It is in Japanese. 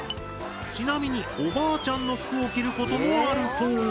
ちなみにおばあちゃんの服を着ることもあるそう。